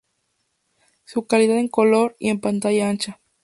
Su calidad en color, y en pantalla ancha.